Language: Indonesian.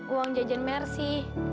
uang jajan merci